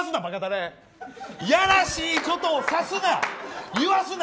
やらしいことをさすな！